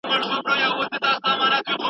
له نادان دوست څخه هوښیار دښمن ښه دی.